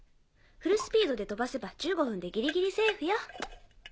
フルスピードで飛ばせば１５分でギリギリセーフよ。